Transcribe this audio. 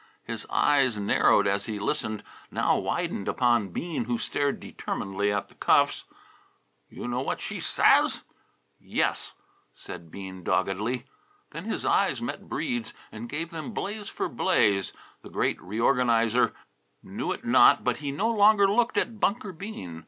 _" His eyes, narrowed as he listened, now widened upon Bean who stared determinedly at the cuffs. "You know what she says?" "Yes," said Bean doggedly. Then his eyes met Breede's and gave them blaze for blaze. The Great Reorganizer knew it not, but he no longer looked at Bunker Bean.